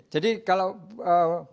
jadi kalau boleh bisa